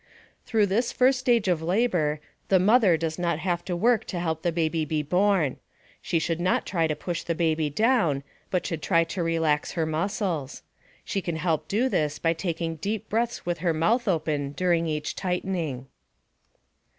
Through this first stage of labor, the mother does not have to work to help the baby be born. She should not try to push the baby down, but should try to relax her muscles. She can help do this by taking deep breaths with her mouth open during each tightening.